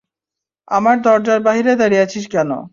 আমার দরজার বাহিরে দাঁড়িয়ে আছিস কেন?